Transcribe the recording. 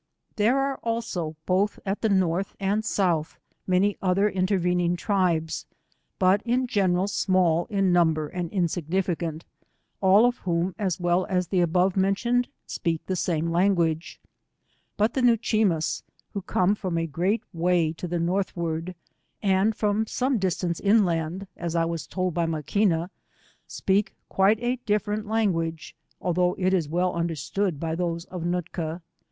There are also both at the North and South many other intervening tribes, but in general small in number and insignificant, all of whom as well aa the above mentioned speak the sarae 94 ■■ language. Bat the Newchemass who come from a great way to the Northward, and from some distance inland, as I was told by Maquina, speak quite a different language, although it is \?ell understood by those of Nootka.